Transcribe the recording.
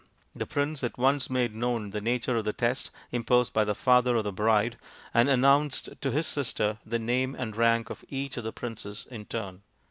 The prince at once made known the nature of the test imposed by the father of the bride, and announced to his sister the name and rank of each of the princes in turn.